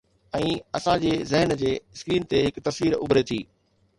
۽ اسان جي ذهن جي اسڪرين تي هڪ تصوير اڀري ٿي.